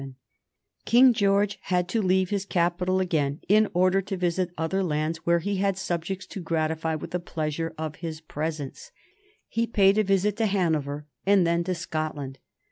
[Sidenote: 1822 George the Fourth visits Scotland] King George had to leave his capital again in order to visit other lands where he had subjects to gratify with the pleasure of his presence. He paid a visit to Hanover, and then to Scotland.